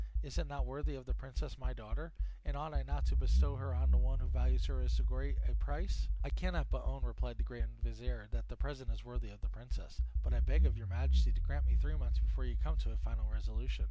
Is it not worthy of the princess my daughter? And ought I not to bestow her on one who values her at so great a price?" "I cannot but own," replied the grand vizier, "that the present is worthy of the princess; but I beg of your majesty to grant me three months before you come to a final resolution.